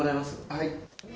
はい。